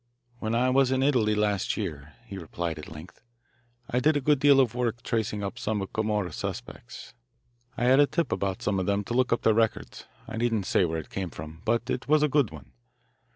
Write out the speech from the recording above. "When I was in Italy last year," he replied at length, "I did a good deal of work in tracing up some Camorra suspects. I had a tip about some of them to look up their records I needn't say where it came from, but it was a good one.